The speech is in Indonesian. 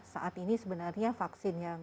saat ini sebenarnya vaksin yang